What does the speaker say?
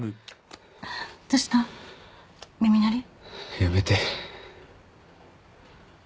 やめて。